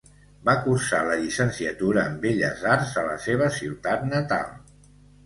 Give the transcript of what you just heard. Va cursar la llicenciatura en Belles arts a la seva ciutat natal.